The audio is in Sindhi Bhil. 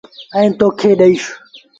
ائيٚݩ تو کي ڏئيس۔